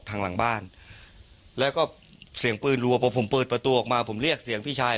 หลังบ้านแล้วก็เสียงปืนรัวพอผมเปิดประตูออกมาผมเรียกเสียงพี่ชาย